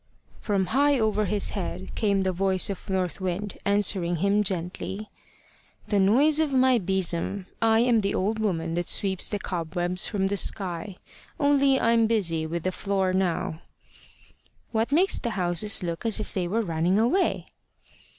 From high over his head came the voice of North Wind, answering him, gently "The noise of my besom. I am the old woman that sweeps the cobwebs from the sky; only I'm busy with the floor now." "What makes the houses look as if they were running away?"